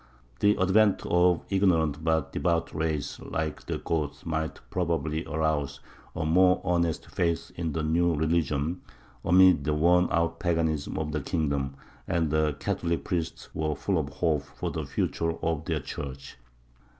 The advent of an ignorant but devout race like the Goths might probably arouse a more earnest faith in the new religion amid the worn out paganism of the kingdom, and the Catholic priests were full of hope for the future of their church.